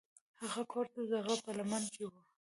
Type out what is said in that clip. هغه کور د غره په لمن کې و.